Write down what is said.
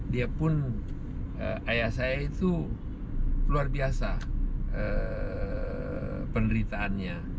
dia pun ayah saya itu luar biasa penderitaannya